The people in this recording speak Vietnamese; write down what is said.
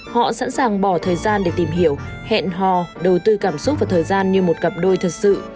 họ sẵn sàng bỏ thời gian để tìm hiểu hẹn hò đầu tư cảm xúc và thời gian như một cặp đôi thật sự